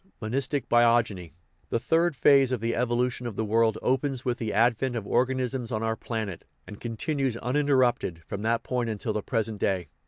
MONISTIC BIOGENY The third phase of the evolution of the world opens with the advent of organisms on our planet, and con tinues uninterrupted from that point until the present day.